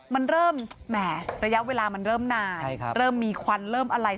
มันเริ่มแหมระยะเวลามันเริ่มนานเริ่มมีควันเริ่มอะไร